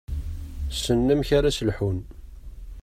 Ssnen amek ara s-lḥun.